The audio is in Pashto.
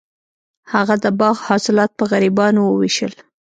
هغه د باغ حاصلات په غریبانو وویشل.